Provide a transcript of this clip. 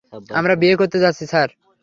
আমরা বিয়ে করতে যাচ্ছি, স্যার।